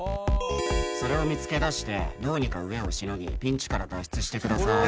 「それを見つけ出してどうにか飢えをしのぎピンチから脱出してくださーい」